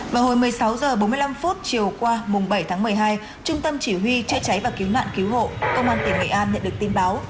vào hồi một mươi sáu h bốn mươi năm chiều qua mùng bảy tháng một mươi hai trung tâm chỉ huy chế cháy và cứu nạn cứu hộ công an tỉnh nghệ an nhận được tin báo